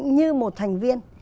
như một thành viên